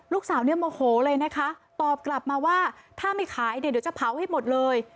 ลูกสาวเนี่ยโมโหเลยนะคะตอบกลับมาว่าถ้าไม่ขายเนี่ยเดี๋ยวจะเผาให้หมดเลย